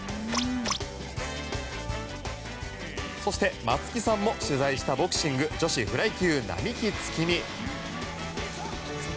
そして、松木さんも取材したボクシング女子フライ級並木月海。